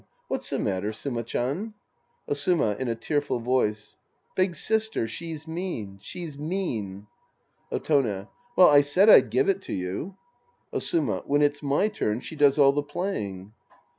What's the matter ? Suma Chan. Osuma (in a tearful voice). Big sister. She's mean. She's mean. Otone. Well, I said I'd give it to you. Osuma. When it's my turn, she does all the playing.